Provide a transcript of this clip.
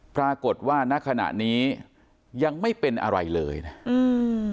ปรากฏว่าณขณะนี้ยังไม่เป็นอะไรเลยนะอืม